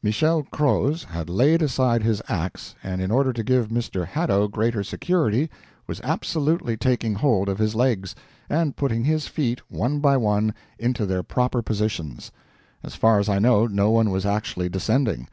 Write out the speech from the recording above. Michel Croz had laid aside his ax, and in order to give Mr. Hadow greater security, was absolutely taking hold of his legs, and putting his feet, one by one, into their proper positions. As far as I know, no one was actually descending.